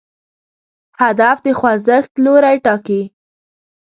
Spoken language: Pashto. هدف د خوځښت لوری ټاکي.